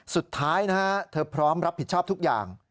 สุดท้ายนะฮะเธอพร้อมรับผิดชอบทุกอย่าง